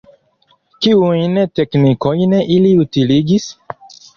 Kiujn teknikojn ili utiligis?